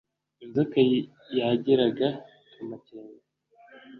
inzoka yagiraga amakenga